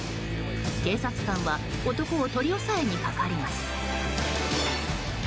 警察官は男を取り押さえにかかります。